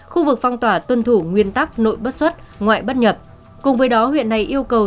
khu vực phong tỏa tuân thủ nguyên tắc nội bất xuất ngoại bất nhập cùng với đó huyện này yêu cầu